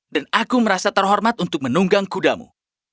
dan aku merasa terhormat untuk menunggang kudamu